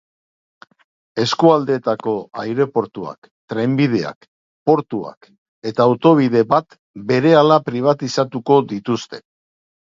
Eskualdeetako aireportuak, trenbideak, portuak eta autobide bat berehala pribatizatuko dituzte.